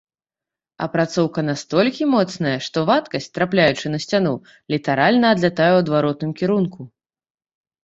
Апрацоўка настолькі моцная, што вадкасць, трапляючы на сцяну, літаральна адлятае ў адваротным кірунку.